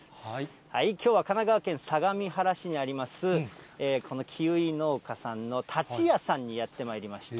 きょうは神奈川県相模原市にあります、このキウイ農家さんの、たち屋さんにやってまいりました。